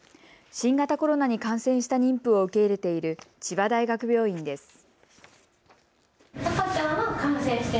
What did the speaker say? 新型コロナに感染した妊婦を受け入れている千葉大学病院です。